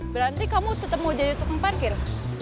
berarti kamu tetap mau jadi tukang parkir